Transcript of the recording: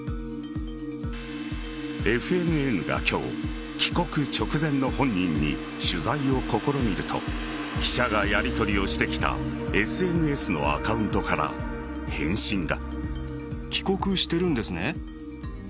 ＦＮＮが今日、帰国直前の本人に取材を試みると記者がやりとりをしてきたＳＮＳのアカウントから返信が。